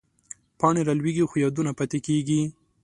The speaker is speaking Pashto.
پاڼې رالوېږي، خو یادونه پاتې کېږي